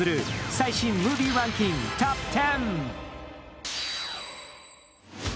最新ムービーランキング・トップ１０。